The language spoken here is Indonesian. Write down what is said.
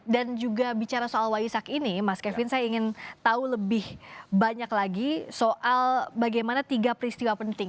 dan juga bicara soal waisak ini mas kevin saya ingin tahu lebih banyak lagi soal bagaimana tiga peristiwa penting